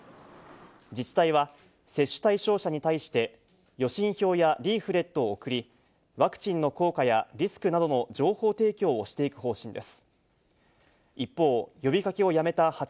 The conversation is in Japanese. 自治体は、接種対象者に対して、予診票やリーフレットを送り、ワクチンの効果やリスクなどの情報提供をしていく方針です。